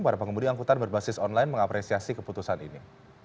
para pengemudi angkutan berbasis online mengapresiasi keputusan ini